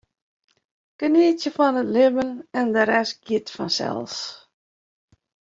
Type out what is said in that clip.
Genietsje fan it libben en de rest giet fansels.